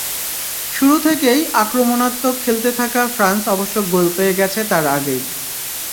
শুরু থেকেই আক্রমণাত্মক খেলতে থাকা ফ্রান্স অবশ্য গোল পেয়ে গেছে তার আগেই।